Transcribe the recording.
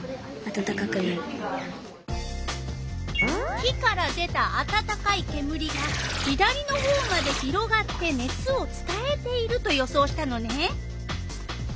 火から出たあたたかいけむりが左のほうまで広がって熱をつたえていると予想したのね。